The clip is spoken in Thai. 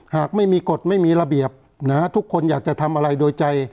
หากไม่มีกฎไม่มีระเบียบทุกคนอยากจะทำอะไรโดยใจ